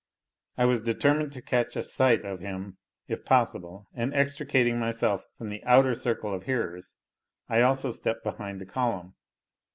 I was determined to catch a sight of him, if possible, and extricating myself from the outer circle of hearers, I also stepped behind the column.